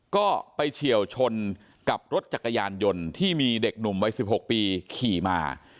ก็ไปเฉียวชนกับรถจักรยานยนต์ที่มีเด็กหนุ่มวัย๑๖ปีขี่มา